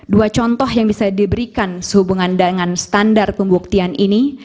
dua contoh yang bisa diberikan sehubungan dengan standar pembuktian ini